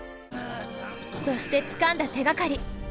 そしてつかんだ手がかり。